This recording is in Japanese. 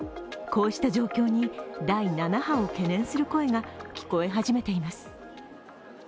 こうした状況に第７波を懸念する声が聞こえ始めています。